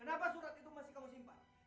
kenapa surat itu masih kamu simpan